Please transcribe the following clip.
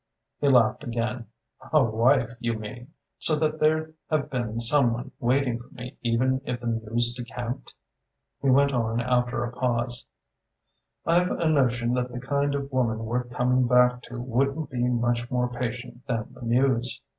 He laughed again. "A wife, you mean? So that there'd have been some one waiting for me even if the Muse decamped?" He went on after a pause: "I've a notion that the kind of woman worth coming back to wouldn't be much more patient than the Muse.